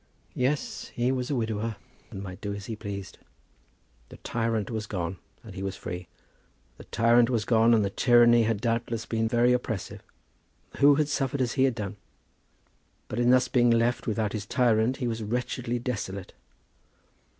Yes, he was a widower, and he might do as he pleased. The tyrant was gone, and he was free. The tyrant was gone, and the tyranny had doubtless been very oppressive. Who had suffered as he had done? But in thus being left without his tyrant he was wretchedly desolate.